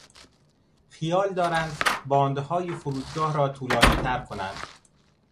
خیال دارند باندهای فرودگاه را طولانیتر کنند.